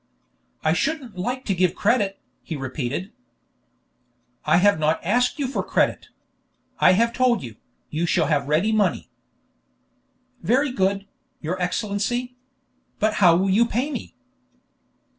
"I shouldn't like to give credit," he repeated. "I have not asked you for credit. I have told you, you shall have ready money." "Very good, your Excellency. But how will you pay me?"